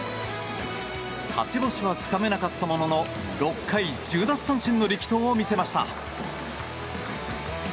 勝ち星はつかめなかったものの６回１０奪三振の力投を見せました。